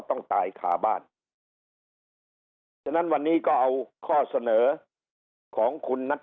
ต้องตายขาบ้านฉะนั้นวันนี้ก็เอาข้อเสนอของคุณนัท